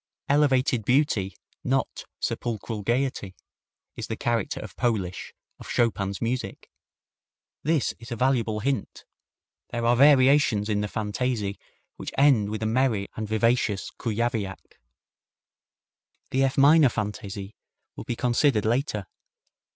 "Elevated beauty, not sepulchral gayety," is the character of Polish, of Chopin's music. This is a valuable hint. There are variations in the Fantaisie which end with a merry and vivacious Kujawiak. The F minor Fantaisie will be considered later.